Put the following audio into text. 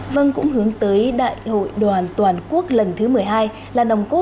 vâng cũng hướng tới đại hội đoàn toàn quốc lần thứ một mươi hai